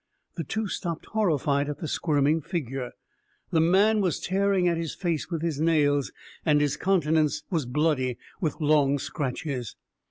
The two stopped, horrified at the squirming figure. The man was tearing at his face with his nails, and his countenance was bloody with long scratches.